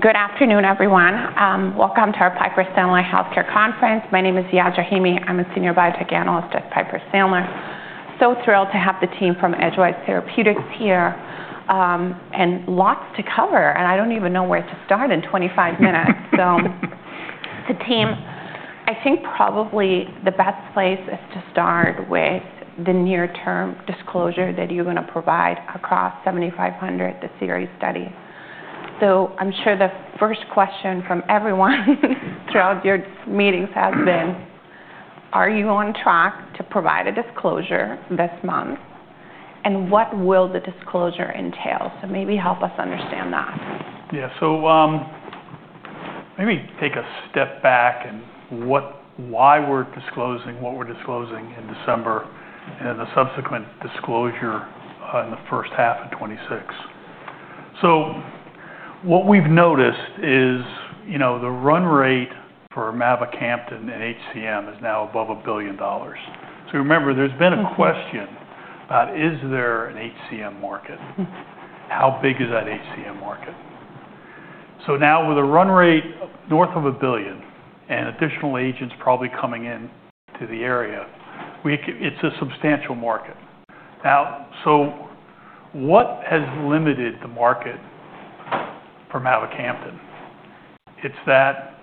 Good afternoon, everyone. Welcome to our Piper Sandler Healthcare Conference. My name is Yas Rahimi. I'm a Senior Biotech Analyst at Piper Sandler, so thrilled to have the team from Edgewise Therapeutics here, and lots to cover, and I don't even know where to start in 25 minutes, so the team, I think probably the best place is to start with the near-term disclosure that you're going to provide across the 7500 series study. So I'm sure the first question from everyone throughout your meetings has been, are you on track to provide a disclosure this month? And what will the disclosure entail? So maybe help us understand that. Yeah. So maybe take a step back and why we're disclosing, what we're disclosing in December, and then the subsequent disclosure in the first half of 2026. So what we've noticed is the run rate for Mavacamten and HCM is now above $1 billion. So remember, there's been a question about, is there an HCM market? How big is that HCM market? So now with a run rate north of $1 billion and additional agents probably coming into the area, it's a substantial market. Now, so what has limited the market for Mavacamten? It's that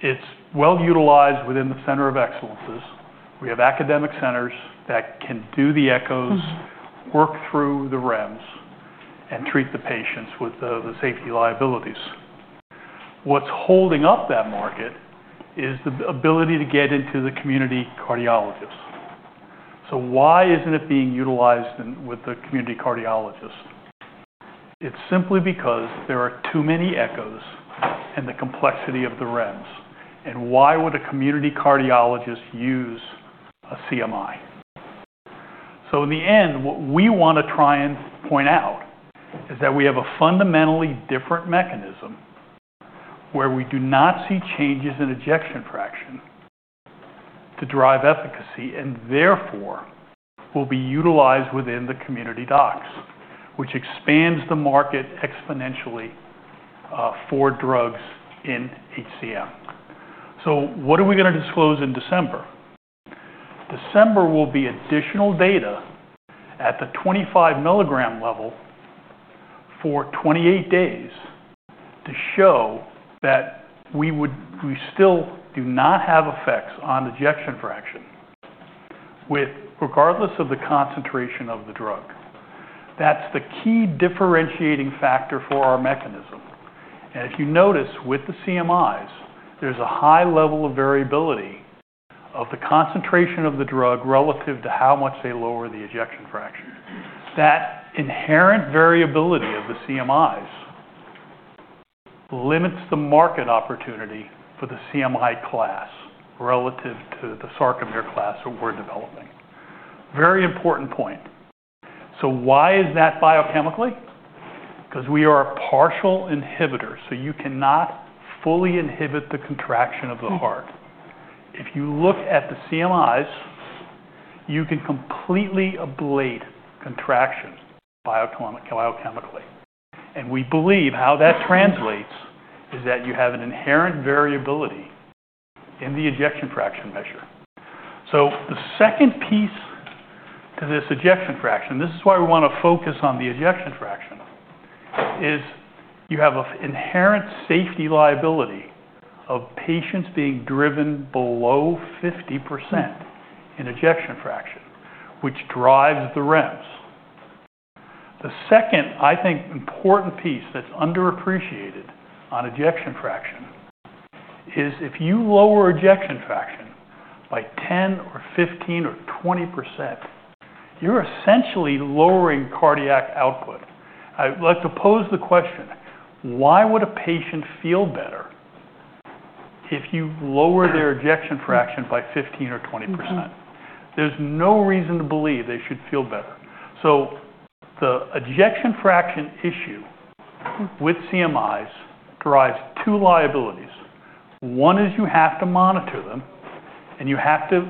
it's well utilized within the centers of excellence. We have academic centers that can do the echoes, work through the REMS, and treat the patients with the safety liabilities. What's holding up that market is the ability to get into the community cardiologists. So why isn't it being utilized with the community cardiologists? It's simply because there are too many echoes and the complexity of the REMS. And why would a community cardiologist use a CMI? So in the end, what we want to try and point out is that we have a fundamentally different mechanism where we do not see changes in ejection fraction to drive efficacy, and therefore will be utilized within the community docs, which expands the market exponentially for drugs in HCM. So what are we going to disclose in December? December will be additional data at the 25 mg level for 28 days to show that we still do not have effects on ejection fraction, regardless of the concentration of the drug. That's the key differentiating factor for our mechanism. And if you notice with the CMIs, there's a high level of variability of the concentration of the drug relative to how much they lower the ejection fraction. That inherent variability of the CMIs limits the market opportunity for the CMI class relative to the sarcomere class that we're developing. Very important point. So why is that biochemically? Because we are a partial inhibitor. So you cannot fully inhibit the contraction of the heart. If you look at the CMIs, you can completely ablate contraction biochemically. And we believe how that translates is that you have an inherent variability in the ejection fraction measure. So the second piece to this ejection fraction, this is why we want to focus on the ejection fraction, is you have an inherent safety liability of patients being driven below 50% in ejection fraction, which drives the REMS. The second, I think, important piece that's underappreciated on ejection fraction is if you lower ejection fraction by 10%, 15%, or 20%, you're essentially lowering cardiac output. I'd like to pose the question, why would a patient feel better if you lower their ejection fraction by 15% or 20%? There's no reason to believe they should feel better. So the ejection fraction issue with CMIs drives two liabilities. One is you have to monitor them, and you have to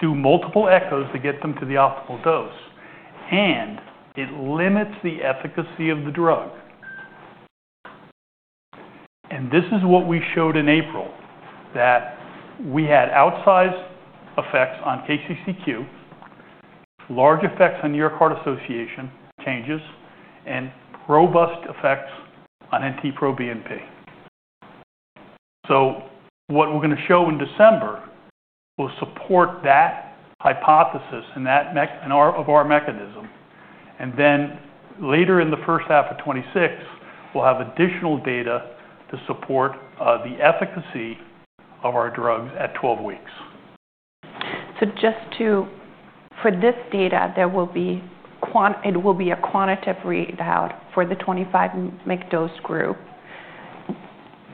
do multiple echoes to get them to the optimal dose. And it limits the efficacy of the drug. And this is what we showed in April, that we had outsized effects on KCCQ, large effects on New York Heart Association changes, and robust effects on NT-proBNP. So what we're going to show in December will support that hypothesis and of our mechanism. And then later in the first half of 2026, we'll have additional data to support the efficacy of our drugs at 12 weeks. Just for this data, there will be a quantitative readout for the 25 mg dose group,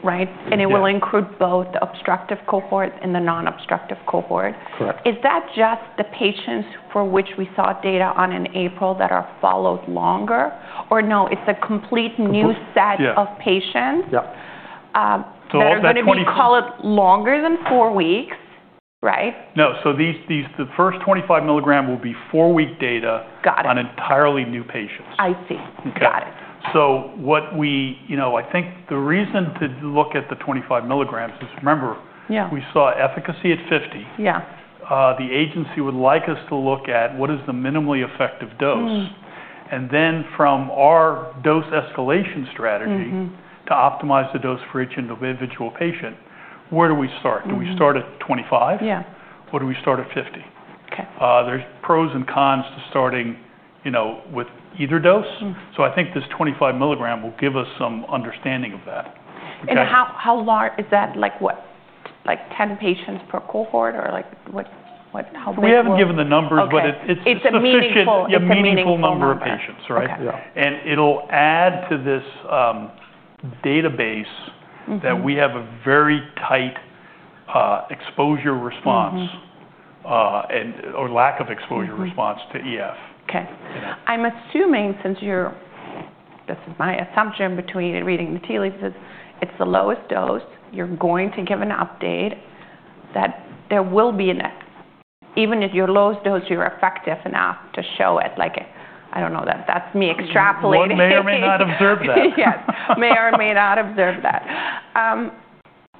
right? It will include both the obstructive cohort and the non-obstructive cohort. Correct. Is that just the patients for which we saw data on in April that are followed longer? Or no, it's a complete new set of patients? Yep. So all of the 20. So they're going to be called longer than four weeks, right? No. So the first 25 mg will be four-week data on entirely new patients. I see. Got it. So I think the reason to look at the 25 mg is, remember, we saw efficacy at 50 mg. The agency would like us to look at what is the minimally effective dose. And then from our dose escalation strategy to optimize the dose for each individual patient, where do we start? Do we start at 25 mg? What do we start at 50 mg? There's pros and cons to starting with either dose. So I think this 25 mg will give us some understanding of that. How large is that? Like 10 patients per cohort or how big? We haven't given the numbers, but it's sufficient. It's a meaningful number. A meaningful number of patients, right? And it'll add to this database that we have a very tight exposure response or lack of exposure response to EF. Okay. I'm assuming since this is my assumption between reading the tea leaves. It's the lowest dose you're going to give an update that there will be, and even if your lowest dose, you're effective enough to show it. I don't know. That's me extrapolating. Or may or may not observe that. Yes. May or may not observe that.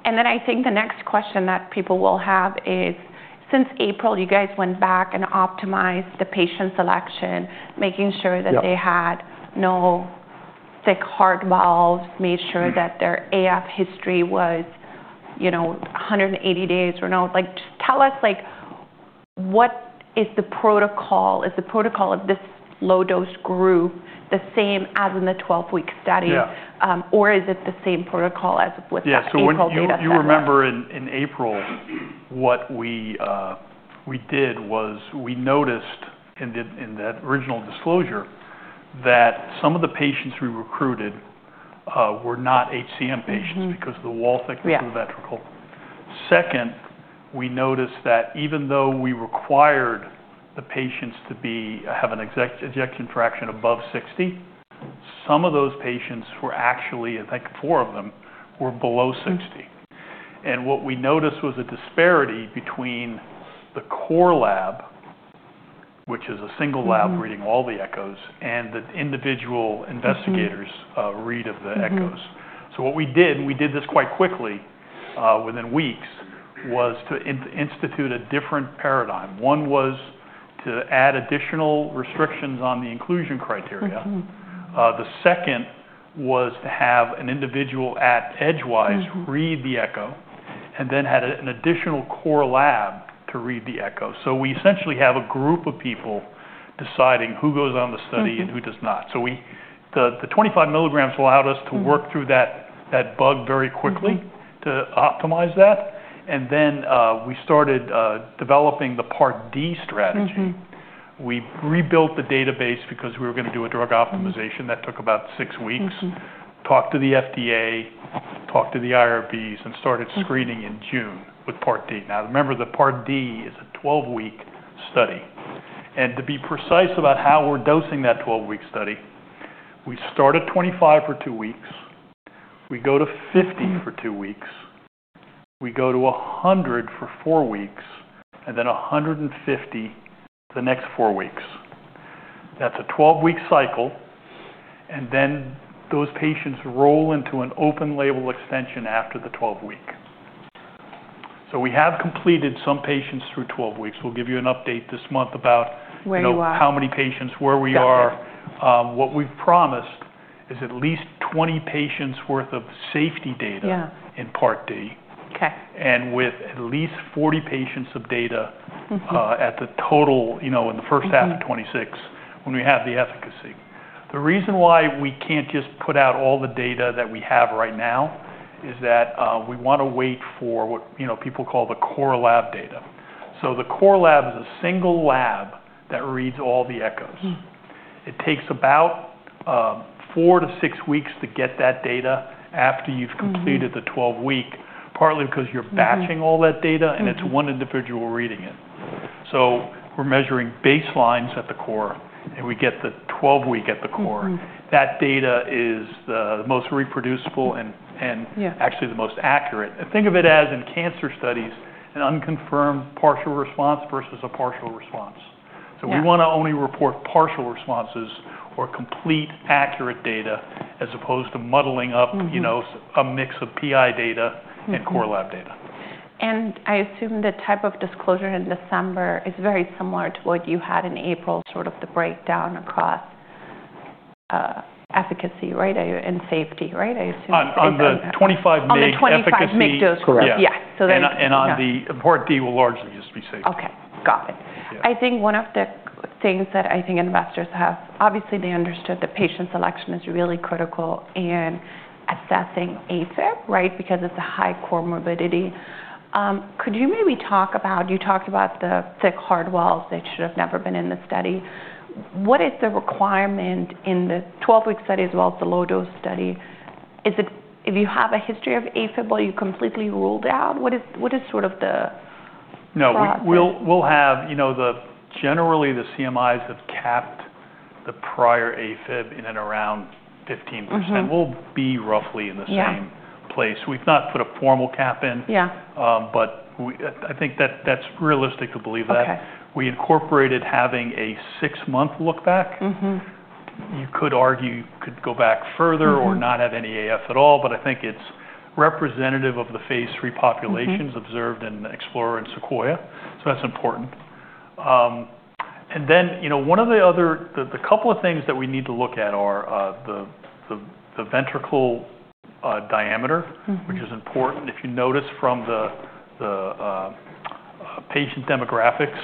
And then I think the next question that people will have is, since April, you guys went back and optimized the patient selection, making sure that they had no sick heart valves, made sure that their AF history was 180 days or no. Just tell us what is the protocol? Is the protocol of this low-dose group the same as in the 12-week study? Or is it the same protocol as with the clinical data? Yeah. So you remember in April, what we did was we noticed in that original disclosure that some of the patients we recruited were not HCM patients because of the wall thickness of the ventricle. Second, we noticed that even though we required the patients to have an ejection fraction above 60, some of those patients were actually, I think four of them, were below 60. And what we noticed was a disparity between the core lab, which is a single lab reading all the echoes, and the individual investigators' read of the echoes. So what we did, and we did this quite quickly within weeks, was to institute a different paradigm. One was to add additional restrictions on the inclusion criteria. The second was to have an individual at Edgewise read the echo and then had an additional core lab to read the echo. We essentially have a group of people deciding who goes on the study and who does not. So the 25 mg allowed us to work through that bug very quickly to optimize that. And then we started developing the Part D strategy. We rebuilt the database because we were going to do a drug optimization that took about six weeks, talked to the FDA, talked to the IRBs, and started screening in June with Part D. Now, remember, the Part D is a 12-week study. And to be precise about how we're dosing that 12-week study, we start at 25 for two weeks. We go to 50 for two weeks. We go to 100 for four weeks, and then 150 for the next four weeks. That's a 12-week cycle. And then those patients roll into an open label extension after the 12-week. We have completed some patients through 12 weeks. We'll give you an update this month about how many patients, where we are. What we've promised is at least 20 patients' worth of safety data in Part D, and with at least 40 patients of data at the total in the first half of 2026 when we have the efficacy. The reason why we can't just put out all the data that we have right now is that we want to wait for what people call the core lab data. The core lab is a single lab that reads all the echoes. It takes about four to six weeks to get that data after you've completed the 12-week, partly because you're batching all that data and it's one individual reading it. We're measuring baselines at the core, and we get the 12-week at the core. That data is the most reproducible and actually the most accurate. And think of it as in cancer studies, an unconfirmed partial response versus a partial response. So we want to only report partial responses or complete accurate data as opposed to muddling up a mix of PI data and core lab data. I assume the type of disclosure in December is very similar to what you had in April, sort of the breakdown across efficacy, right, and safety, right? I assume that. On the 25 mg efficacy. On the 25 mg dose, correct? Correct. Yeah. So then. On the Part D, we'll largely just be safe. Okay. Got it. I think one of the things that I think investors have, obviously, they understood the patient selection is really critical in assessing AFib, right, because it's a high comorbidity. Could you maybe talk about you talked about the sick heart valves that should have never been in the study. What is the requirement in the 12-week study as well as the low-dose study? If you have a history of AFib, will you completely rule it out? What is sort of the process? No. We'll have, generally, the CMIs have capped the prior AFib in and around 15%. We'll be roughly in the same place. We've not put a formal cap in, but I think that that's realistic to believe that. We incorporated having a six-month lookback. You could argue you could go back further or not have any AF at all, but I think it's representative of the phase III populations observed in EXPLORER and SEQUOIA. So that's important. And then one of the other couple of things that we need to look at are the ventricle diameter, which is important. If you notice from the patient demographics,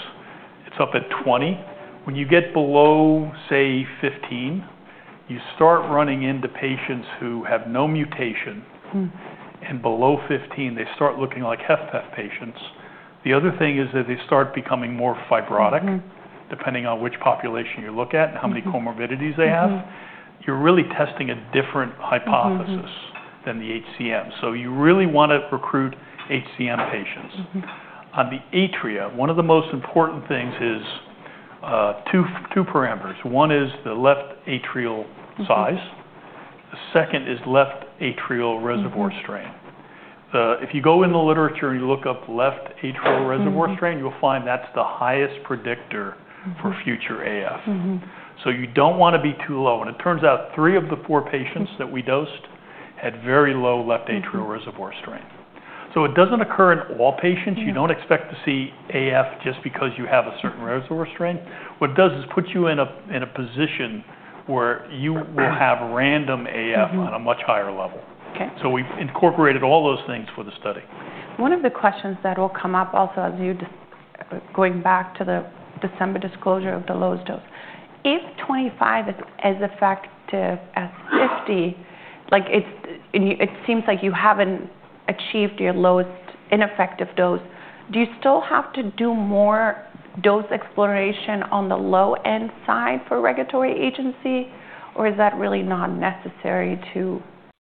it's up at 20%. When you get below, say, 15%, you start running into patients who have no mutation, and below 15%, they start looking like HFpEF patients. The other thing is that they start becoming more fibrotic, depending on which population you look at and how many comorbidities they have. You're really testing a different hypothesis than the HCM, so you really want to recruit HCM patients. On the atria, one of the most important things is two parameters. One is the left atrial size. The second is left atrial reservoir strain. If you go in the literature and you look up left atrial reservoir strain, you'll find that's the highest predictor for future AF. So you don't want to be too low, and it turns out three of the four patients that we dosed had very low left atrial reservoir strain, so it doesn't occur in all patients. You don't expect to see AF just because you have a certain reservoir strain. What it does is put you in a position where you will have random AFib on a much higher level. So we incorporated all those things for the study. One of the questions that will come up also as you're going back to the December disclosure of the lowest dose. If 25 mg is as effective as 50 mg, it seems like you haven't achieved your lowest ineffective dose. Do you still have to do more dose exploration on the low-end side for regulatory agency, or is that really not necessary to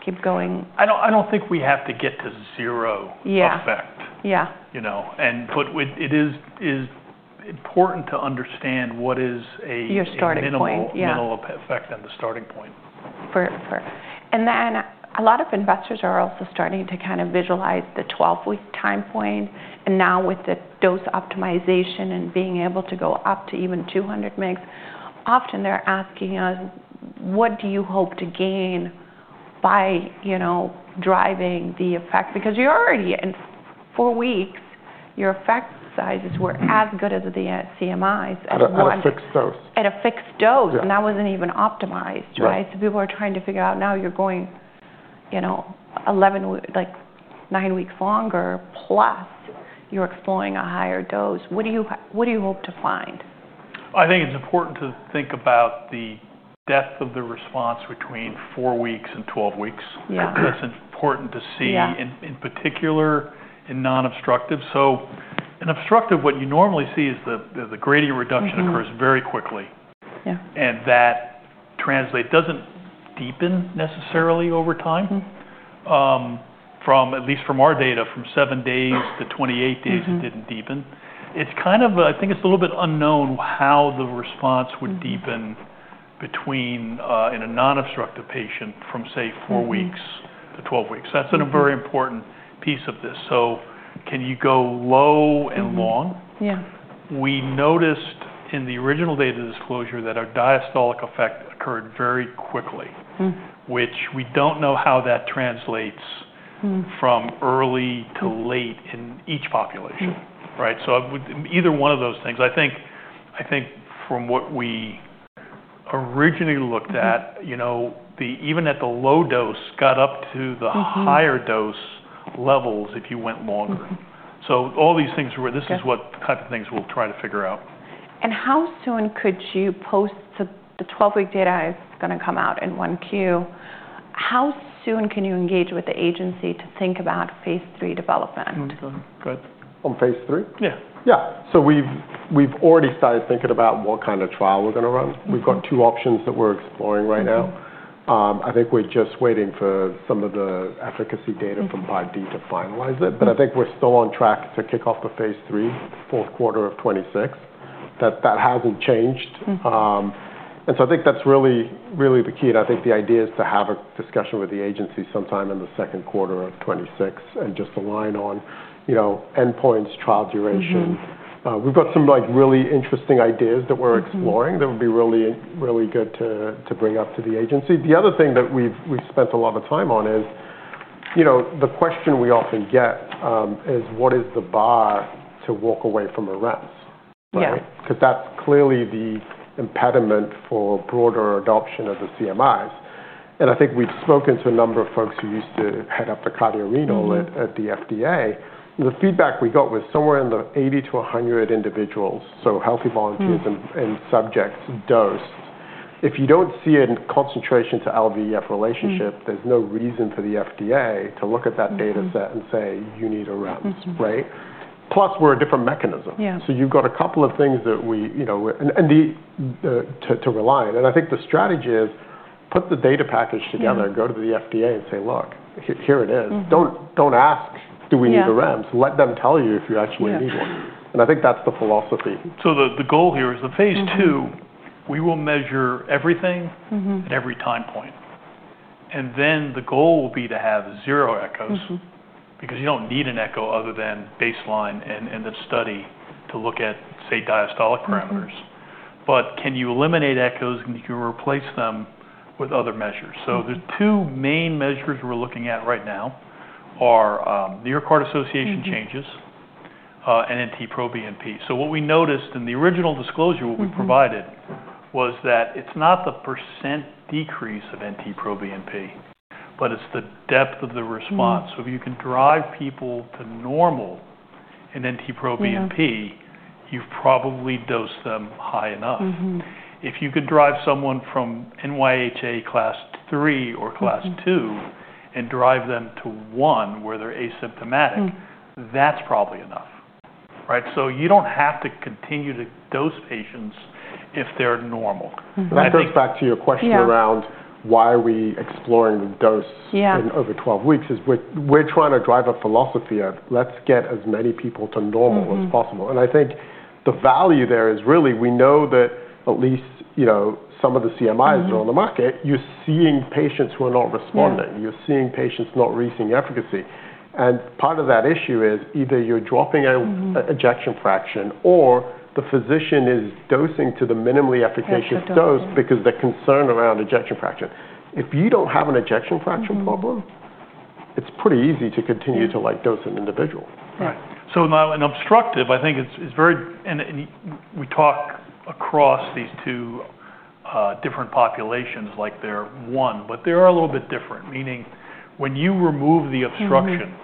keep going? I don't think we have to get to zero effect. But it is important to understand what is a minimal effect and the starting point. Then a lot of investors are also starting to kind of visualize the 12-week time point. Now with the dose optimization and being able to go up to even 200 mg, often they're asking us, what do you hope to gain by driving the effect? Because you're already in four weeks, your effect sizes were as good as the CMIs at. At a fixed dose. At a fixed dose, and that wasn't even optimized, right? So people are trying to figure out now you're going nine weeks longer, plus you're exploring a higher dose. What do you hope to find? I think it's important to think about the depth of the response between four weeks and 12 weeks. That's important to see, in particular, in non-obstructive. So in obstructive, what you normally see is the gradient reduction occurs very quickly. And that translation doesn't deepen necessarily over time. At least from our data, from seven days to 28 days, it didn't deepen. It's kind of, I think it's a little bit unknown how the response would deepen in a non-obstructive patient from, say, four weeks to 12 weeks. That's a very important piece of this. So can you go low and long? We noticed in the original data disclosure that our diastolic effect occurred very quickly, which we don't know how that translates from early to late in each population, right? So either one of those things. I think from what we originally looked at, even at the low dose, got up to the higher dose levels if you went longer. So all these things, this is what type of things we'll try to figure out. How soon could you expect the 12-week data? Is it going to come out in 1Q? How soon can you engage with the agency to think about phase III development? On phase III? Yeah. Yeah. So we've already started thinking about what kind of trial we're going to run. We've got two options that we're exploring right now. I think we're just waiting for some of the efficacy data from Part D to finalize it. But I think we're still on track to kick off the phase III, fourth quarter of 2026. That hasn't changed. And so I think that's really the key. And I think the idea is to have a discussion with the agency sometime in the second quarter of 2026 and just align on endpoints, trial duration. We've got some really interesting ideas that we're exploring that would be really good to bring up to the agency. The other thing that we've spent a lot of time on is the question we often get is, what is the bar to walk away from Arens? Because that's clearly the impediment for broader adoption of the CMIs. And I think we've spoken to a number of folks who used to head up the cardiorenal at the FDA. The feedback we got was somewhere in the 80-100 individuals, so healthy volunteers and subjects dosed. If you don't see a concentration to LVEF relationship, there's no reason for the FDA to look at that data set and say, you need REMS, right? Plus, we're a different mechanism. So you've got a couple of things that we can rely on. And I think the strategy is put the data package together, go to the FDA and say, look, here it is. Don't ask, do we need REMS? Let them tell you if you actually need one. And I think that's the philosophy. So the goal here is the phase II, we will measure everything at every time point. And then the goal will be to have zero echoes because you don't need an echo other than baseline in the study to look at, say, diastolic parameters. But can you eliminate echoes and you can replace them with other measures? So the two main measures we're looking at right now are New York Heart Association changes and NT-proBNP. So what we noticed in the original disclosure, what we provided was that it's not the % decrease of NT-proBNP, but it's the depth of the response. So if you can drive people to normal in NT-proBNP, you've probably dosed them high enough. If you can drive someone from NYHA Class III or Class II and drive them to one where they're asymptomatic, that's probably enough, right? So you don't have to continue to dose patients if they're normal. That goes back to your question around why we are exploring the dose over 12 weeks. It's that we're trying to drive a philosophy of let's get as many people to normal as possible. And I think the value there is really we know that at least some of the CMIs that are on the market, you're seeing patients who are not responding. You're seeing patients not realizing efficacy. And part of that issue is either you're dropping an ejection fraction or the physician is dosing to the minimally efficacious dose because they're concerned around ejection fraction. If you don't have an ejection fraction problem, it's pretty easy to continue to dose an individual. Right. So now, in obstructive, I think it's very, and we talk across these two different populations, like they're one, but they are a little bit different. Meaning when you remove the obstruction,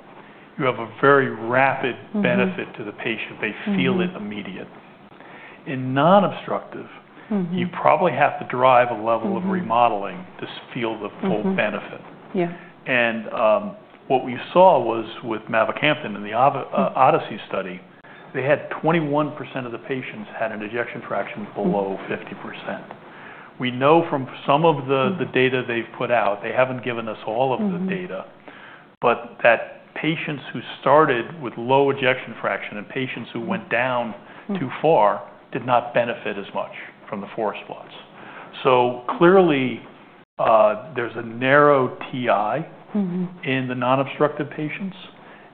you have a very rapid benefit to the patient. They feel it immediate. In non-obstructive, you probably have to drive a level of remodeling to feel the full benefit. And what we saw was with Mavacamten and the Odyssey study, they had 21% of the patients had an ejection fraction below 50%. We know from some of the data they've put out, they haven't given us all of the data, but that patients who started with low ejection fraction and patients who went down too far did not benefit as much from the four spots. So clearly, there's a narrow TI in the non-obstructive patients.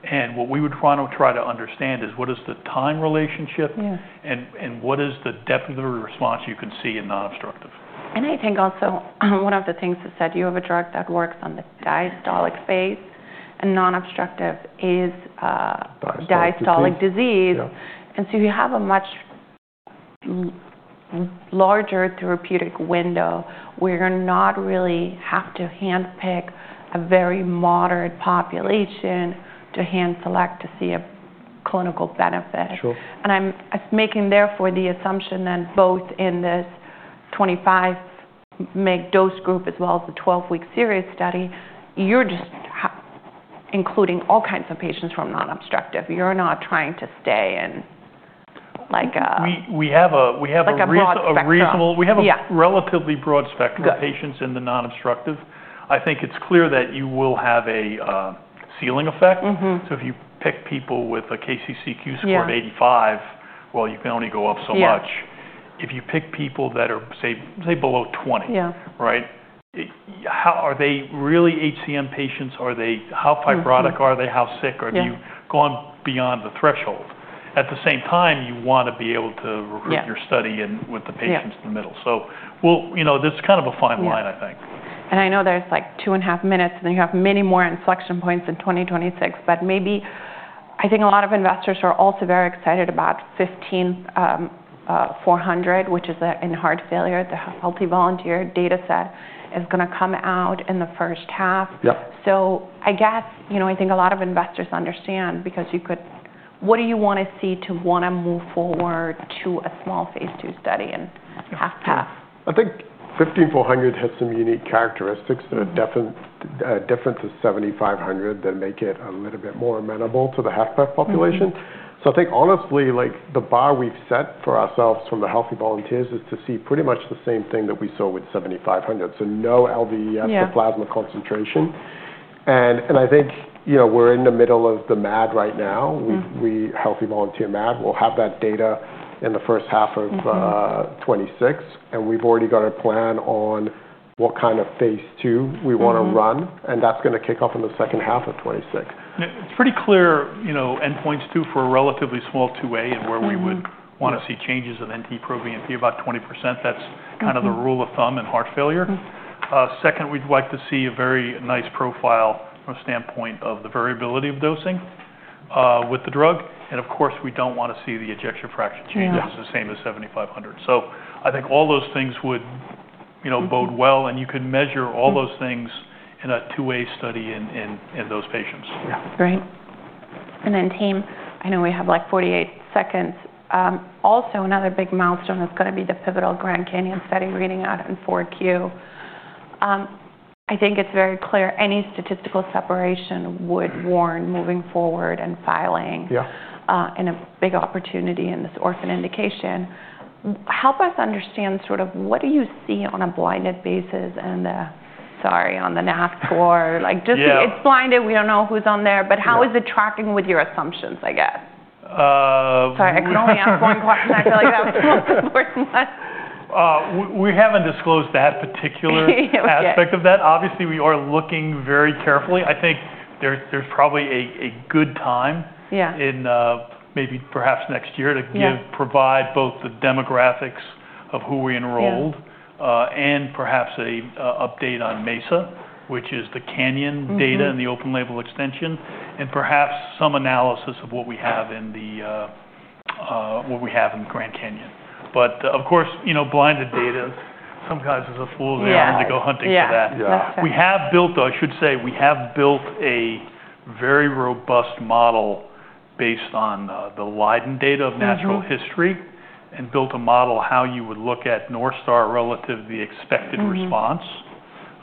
And what we would want to try to understand is what is the time relationship and what is the depth of the response you can see in non-obstructive. And I think also one of the things you said, you have a drug that works on the diastolic space, and non-obstructive is diastolic disease. And so you have a much larger therapeutic window where you're not really have to handpick a very moderate population to hand-select to see a clinical benefit. And I'm making therefore the assumption that both in this 25 mg dose group as well as the 12-week series study, you're just including all kinds of patients from non-obstructive. You're not trying to stay in like a. We have a relatively broad spectrum of patients in the non-obstructive. I think it's clear that you will have a ceiling effect. So if you pick people with a KCCQ score of 85, well, you can only go up so much. If you pick people that are, say, below 20, right? Are they really HCM patients? How fibrotic are they? How sick? Are you going beyond the threshold? At the same time, you want to be able to recruit your study with the patients in the middle. So this is kind of a fine line, I think. I know there's like two and a half minutes, and then you have many more inflection points in 2026, but maybe I think a lot of investors are also very excited about 15,400, which is in heart failure. The healthy volunteer data set is going to come out in the first half. So I guess I think a lot of investors understand because you could what do you want to see to want to move forward to a small phase II study and HFpEF? I think 15,400 has some unique characteristics that are different to 7,500 that make it a little bit more amenable to the HFpEF population. So I think honestly, the bar we've set for ourselves from the healthy volunteers is to see pretty much the same thing that we saw with 7,500. So no LVEF, the plasma concentration. And I think we're in the middle of the MAD right now. Healthy Volunteer MAD will have that data in the first half of 2026, and we've already got a plan on what kind of phase II we want to run. And that's going to kick off in the second half of 2026. It's pretty clear endpoints too for a relatively small 2A and where we would want to see changes of NT-proBNP about 20%. That's kind of the rule of thumb in heart failure. Second, we'd like to see a very nice profile from a standpoint of the variability of dosing with the drug. And of course, we don't want to see the ejection fraction changes the same as 7500. So I think all those things would bode well, and you could measure all those things in a 2A study in those patients. Great. And then team, I know we have like 48 seconds. Also, another big milestone is going to be the pivotal Grand Canyon study reading out in Q4. I think it's very clear any statistical separation would warrant moving forward and filing in a big opportunity in this orphan indication. Help us understand sort of what do you see on a blinded basis and, sorry, on the NSAA score. It's blinded. We don't know who's on there, but how is it tracking with your assumptions, I guess? Sorry, I could only ask one question. I feel like that was the important one. We haven't disclosed that particular aspect of that. Obviously, we are looking very carefully. I think there's probably a good time in maybe perhaps next year to provide both the demographics of who we enrolled and perhaps an update on MESA, which is the Canyon data and the open label extension, and perhaps some analysis of what we have in the Grand Canyon. But of course, blinded data, sometimes there's a fool there and they go hunting for that. We have built, I should say, a very robust model based on the Leiden data of natural history and built a model of how you would look at North Star relative to the expected response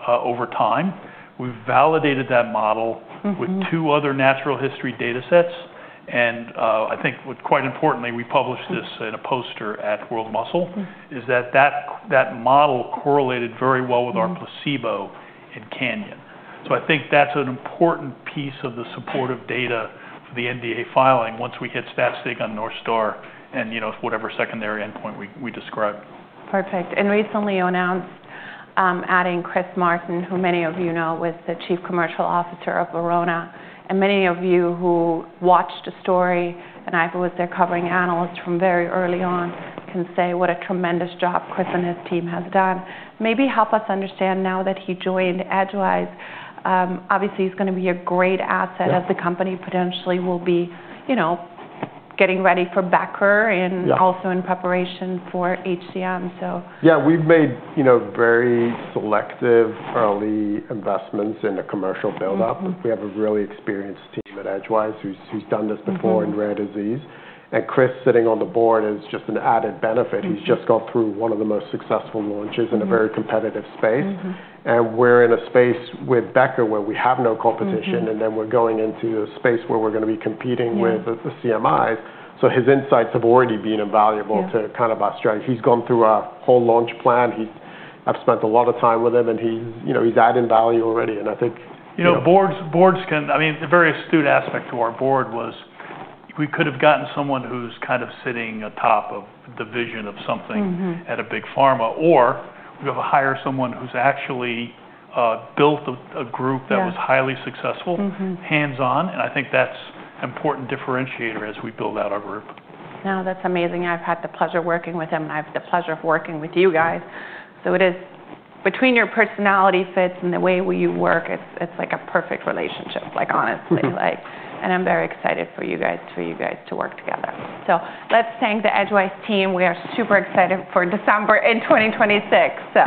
over time. We've validated that model with two other natural history data sets. And I think quite importantly, we published this in a poster at World Muscle, that model correlated very well with our placebo in Canyon. So I think that's an important piece of the supportive data for the NDA filing once we hit stat sig on North Star and whatever secondary endpoint we describe. Perfect. And recently announced adding Chris Martin, who many of you know was the chief commercial officer of Verona. And many of you who watched the story and I was their covering analyst from very early on can say what a tremendous job Chris and his team has done. Maybe help us understand now that he joined Edgewise, obviously he's going to be a great asset as the company potentially will be getting ready for Becker and also in preparation for HCM, so. Yeah, we've made very selective early investments in a commercial buildup. We have a really experienced team at Edgewise who's done this before in rare disease. And Chris sitting on the board is just an added benefit. He's just gone through one of the most successful launches in a very competitive space. And we're in a space with Becker where we have no competition, and then we're going into a space where we're going to be competing with the CMIs. So his insights have already been invaluable to kind of our strategy. He's gone through our whole launch plan. I've spent a lot of time with him, and he's adding value already. And I think. Boards can, I mean, the very astute aspect to our board was we could have gotten someone who's kind of sitting atop of the vision of something at a big pharma, or we have to hire someone who's actually built a group that was highly successful, hands-on, and I think that's an important differentiator as we build out our group. No, that's amazing. I've had the pleasure of working with him, and I've had the pleasure of working with you guys. So it is between your personality fits and the way you work, it's like a perfect relationship, honestly. And I'm very excited for you guys to work together. So let's thank the Edgewise team. We are super excited for December in 2026. So.